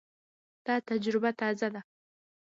دا تجربه تازه ده.